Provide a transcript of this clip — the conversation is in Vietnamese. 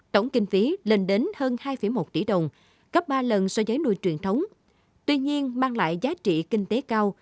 tổng kinh phí lên đến hơn hai một tỷ đồng gấp ba lần so với nuôi truyền thống tuy nhiên mang lại giá trị kinh tế cao